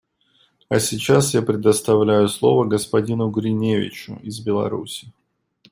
А сейчас я предоставляю слово господину Гриневичу из Беларуси.